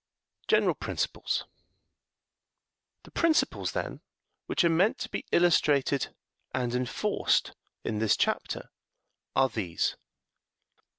General Principles. The principles, then, which are meant to be illustrated and enforced in this chapter are these: 1.